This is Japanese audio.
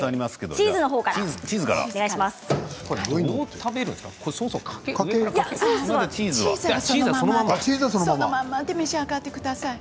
チーズはそのままで召し上がってください。